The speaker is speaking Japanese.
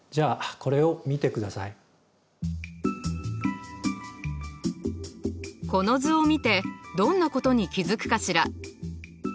この図を見てどんなことに気づくかしら？